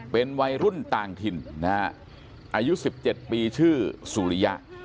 เป็นวัยรุ่นต่างถิ่นนะฮะอายุ๑๗ปีชื่อสุริยะ